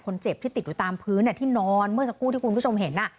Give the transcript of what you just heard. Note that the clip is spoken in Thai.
คนเจ็บที่ติดอยู่ตามพื้นที่นอนเมื่อสักครู่ที่คุณผู้ชมเห็น